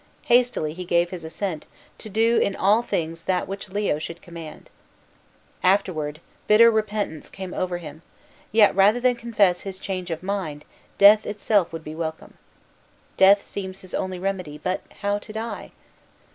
Hastily he gave his assent "to do in all things that which Leo should command." Afterward, bitter repentance came over him; yet, rather than confess his change of mind, death itself would be welcome. Death seems his only remedy; but how to die?